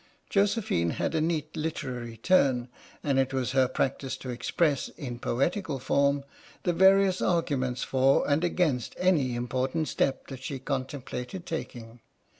Josephine had a neat literary turn, and it was her practice to express, in poetical form, the various arguments for and against any important step that she contemplated taking.